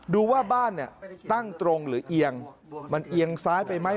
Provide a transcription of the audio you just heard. ดูว่าบ้านเนี่ยตั้งตรงหรือเอียงมันเอียงซ้ายไปไหม